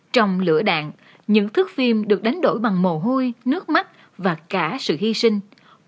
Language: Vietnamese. trong lửa đạn những thước phim được đánh đổi bằng mồ hôi nước mắt và cả sự hy sinh